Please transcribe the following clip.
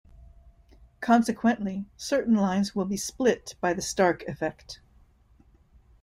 Consequently, certain lines will be split by the Stark effect.